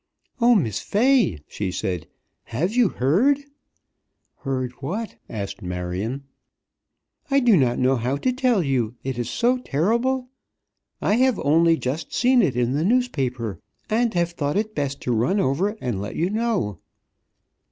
"Oh, Miss Fay," she said, "have you heard?" "Heard what?" asked Marion. "I do not know how to tell you, it is so terrible! I have only just seen it in the newspaper, and have thought it best to run over and let you know."